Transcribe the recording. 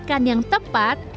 dan yang tepat